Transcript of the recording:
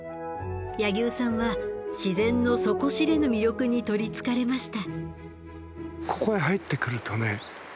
柳生さんは自然の底知れぬ魅力に取りつかれました。